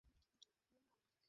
তবে রে পাজির দলবল!